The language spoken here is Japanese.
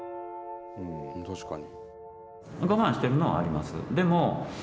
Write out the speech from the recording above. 確かに。